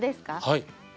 はい。